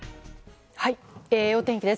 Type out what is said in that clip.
お天気です。